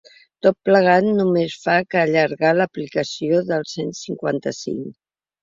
Tot plegat només fa que allargar l’aplicació del cent cinquanta-cinc.